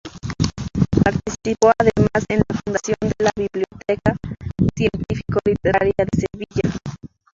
Participó además en la fundación de la Biblioteca científico-literaria de Sevilla.